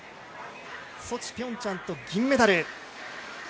ソチ、ピョンチャンと銀メダル。